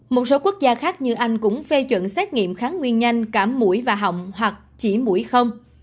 một số quốc gia khác như anh cũng phê chuẩn xét nghiệm kháng nguyên nhanh cả mũi và họng hoặc chỉ mũi không